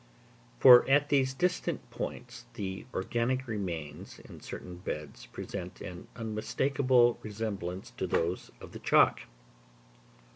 For at these distant points, the organic remains in certain beds present an unmistakable resemblance to those of the Chalk.